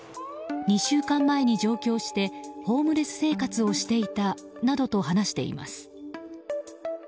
２週間前に上京してホームレス生活をしていたなどと話しています。